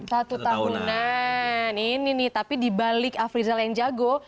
satu tahunan ini nih tapi dibalik afrizal yang jago